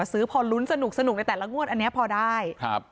ซื้อพอลุ้นสนุกในแต่ละงวดอันนี้พอได้ครับ